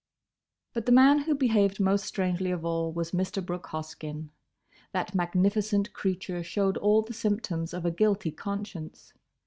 But the man who behaved most strangely of all was Mr. Brooke Hoskyn. That magnificent creature showed all the symptoms of a guilty conscience.